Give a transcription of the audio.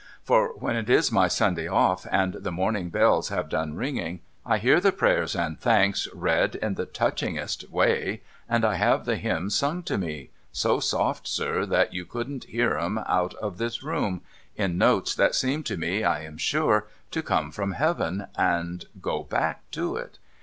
For, when it is my Sunday off and the morning bells have done ringing, I hear the prayers and thanks read in the touchingest way, and I have the hymns sung to me — so soft, sir, that you couldn't hear 'em out of this room — in notes that seem to me, I am sure, to come from Heaven and go back to it.'